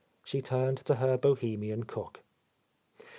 She turned to her Bohemian cook.